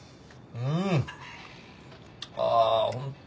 うん。